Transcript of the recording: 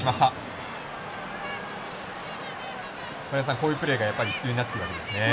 こういうプレーが必要になってくるわけですね。